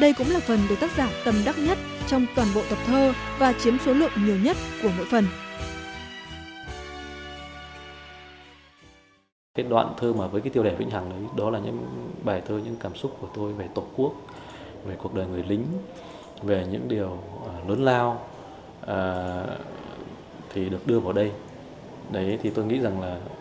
đây cũng là phần đối tác giả tầm đắc nhất trong toàn bộ tập thơ và chiếm số lượng nhiều nhất của mỗi phần